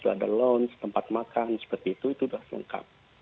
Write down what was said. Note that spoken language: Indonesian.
ada lounge tempat makan seperti itu itu sudah lengkap